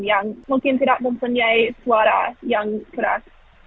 yang mungkin tidak mempunyai suara yang keras